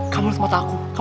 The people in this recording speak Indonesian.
kamu ngetahuku kan